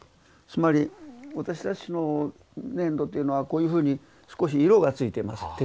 つまり私たちの粘土というのはこういうふうに少し色がついてます。